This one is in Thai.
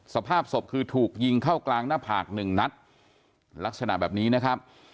สภาพศพคือถูกยิงเข้ากลางหน้าผากหนึ่งนัดลักษณะแบบนี้นะครับ